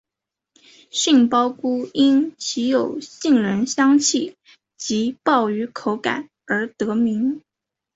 杏鲍菇因其有杏仁香气及鲍鱼口感而得名。